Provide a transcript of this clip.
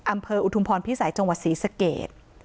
อำเภออุทุมพรพิสัยจังหวัดศรีสเกต